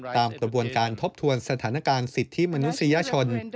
ตามกระบวนการทบทวนสถานการณ์สิทธิมนุษยชน